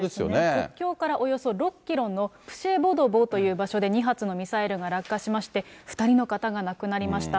国境からおよそ６キロのプシェボドボという場所で、２発のミサイルが落下しまして、２人の方が亡くなりました。